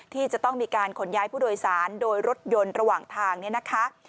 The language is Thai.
ที่จะต้องมีการขนย้ายผู้โดยสารโดยรถยนต์ระหว่างทางเนี่ยนะคะ